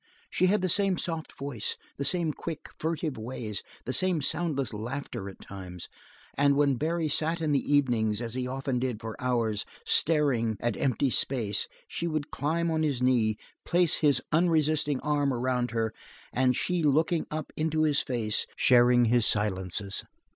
She had the same soft voice, the same quick, furtive ways, the same soundless laughter, at times; and when Barry sat in the evening, as he often did for hours, staring at empty air, she would climb on his knee, place his unresisting arm around her, and she looking up into his face, sharing his silences.